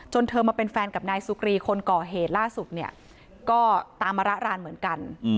เธอมาเป็นแฟนกับนายสุกรีคนก่อเหตุล่าสุดเนี่ยก็ตามมาระรานเหมือนกัน